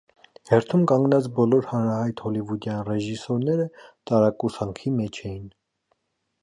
Հերթում կանգնած բոլոր հանրահայտ հոլիվուդյան ռեժիսորները տարակուսանքի մեջ էին։